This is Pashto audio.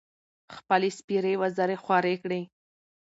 خپـلې سپـېرې وزرې خـورې کـړې.